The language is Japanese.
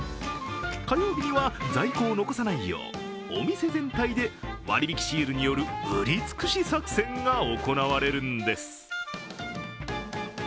火曜日は在庫を残さないよう、お店全体で割引シールによる売り尽くし作戦が行われるんです。